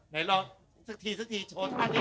เดี๋ยวรอสักทีโชว์ทางนี้